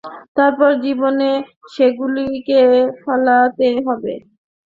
তারপর জীবনে সেগুলিকে ফলাতে হবে।